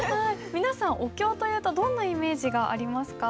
皆さんお経というとどんなイメージがありますか？